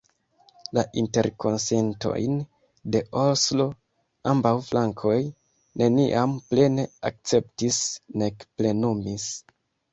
La Interkonsentojn de Oslo ambaŭ flankoj neniam plene akceptis nek plenumis.